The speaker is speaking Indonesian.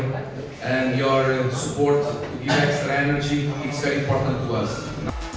dan support kalian memberikan energi ekstra sangat penting untuk kita